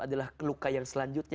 adalah keluka yang selanjutnya